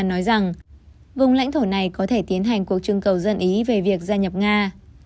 nói rằng vùng lãnh thổ này có thể tiến hành cuộc trưng cầu dân ý về việc gia nhập nga